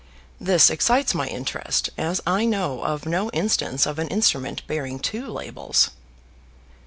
This excites my interest, as I know of no instance of an instrument bearing two labels."